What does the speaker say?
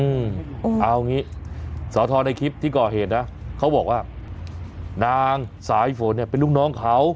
เอางี้สอทรในคลิปที่ก่อเหตุนะเขาบอกว่านางสายฝนเนี่ยเป็นลูกน้องเขา